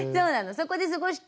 そこで過ごして。